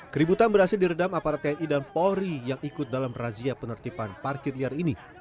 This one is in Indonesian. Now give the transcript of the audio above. keributan berhasil diredam aparat tni dan polri yang ikut dalam razia penertiban parkir liar ini